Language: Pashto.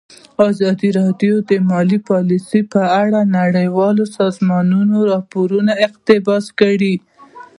ازادي راډیو د مالي پالیسي په اړه د نړیوالو سازمانونو راپورونه اقتباس کړي.